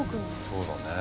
そうだね。